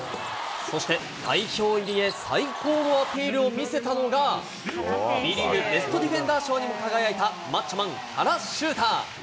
そして代表入りへ、最高のアピールを見せたのが、Ｂリーグベストディフェンダー賞にも輝いた、マッチョマン、原修太。